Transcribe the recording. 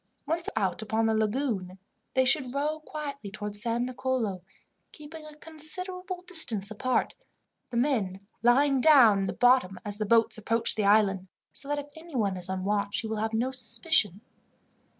Once out upon the lagoon, they should row quietly towards San Nicolo, keeping a considerable distance apart, the men lying down in the bottom as the boats approach the island, so that if anyone is on watch he will have no suspicion.